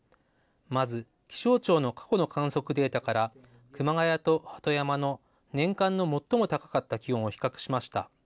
まず気象庁の過去の観測データから、熊谷と鳩山の年間の最も高かった気温を比較しました。